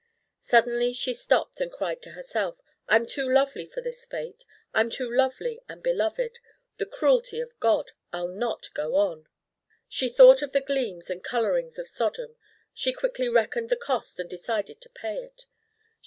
Suddenly she stopped and cried to herself, 'I'm too lovely for this fate I'm too lovely and beloved the cruelty of God : I'll not go on!' She thought of the gleams and colorings of Sodom. She quickly reckoned the cost and decided to pay it.